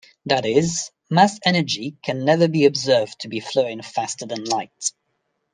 That is, mass-energy can never be observed to be flowing faster than light.